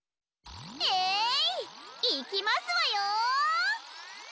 えいいきますわよ！